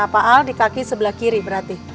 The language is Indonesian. pak al di kaki sebelah kiri berarti